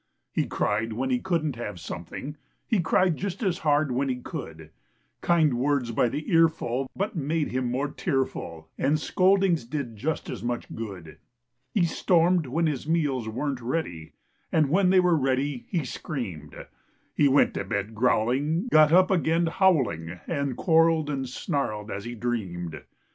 He cried when he couldn't have something; He cried just as hard when he could; Kind words by the earful but made him more tearful, And scoldings did just as much good. He stormed when his meals weren't ready, And when they were ready, he screamed. He went to bed growling, got up again howling And quarreled and snarled as he dreamed.